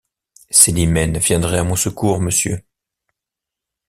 Célimène viendrait à mon secours, monsieur!